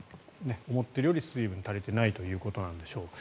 思ってるより水分が足りてないということなんでしょう。